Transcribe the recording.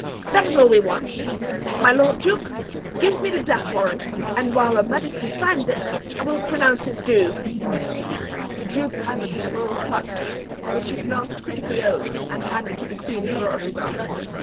"That is all we want! My lord duke, give me the death warrant, and while her majesty signs it, I will pronounce his doom!" The duke handed him a roll of parchment, which he glanced critically over, and handed to the queen for her autograph.